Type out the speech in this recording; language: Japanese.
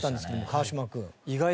川島君。